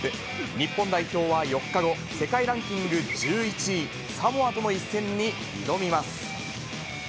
日本代表は４日後、世界ランキング１１位、サモアとの一戦に挑みます。